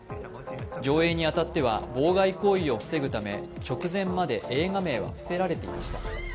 上映に当たっては妨害行為を防ぐため直前まで映画名は伏せられていました。